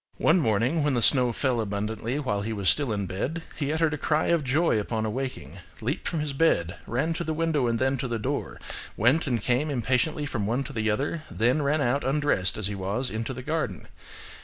"One morning, when the snow fell abundantly while he was still in bed, he uttered a cry of joy upon awaking, leaped from his bed, ran to the window and then to the door; went and came impatiently from one to the other; then ran out undressed as he was into the garden.